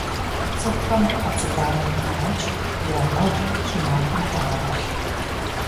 ЦӀыхухэм хьэцыбанэр къыпач, ягъэгъу, щӀымахуэм хуагъэтӀылъ.